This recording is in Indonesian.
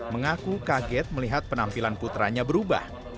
mengaku kaget melihat penampilan putranya berubah